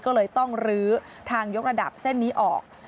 ก็เลยต้องลื้อทางยกระดับเส้นนี้ออก